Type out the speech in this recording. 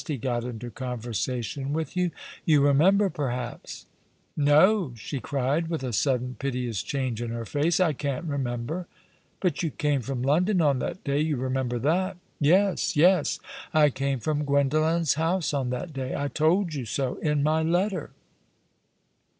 He got into conversation with you — you remember, perhaps ?"" No," she cried, with a sudden piteous change in her face, " I can't remember." " But you came from London on that day. You remember that?" " Yes, yes. I came from Gwendolen's house on that day. I told you so in my letter."